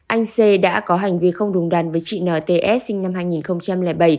anh c đã có hành vi không đúng đàn với chị nts sinh năm hai nghìn bảy